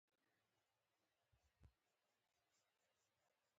ورسره بېکاري او فقر هم په چټکۍ زیاتېږي